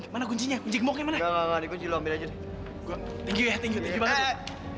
mana kuncinya kunci kemana karena dikunci lo ambil aja gue tinggi ya tinggi tinggi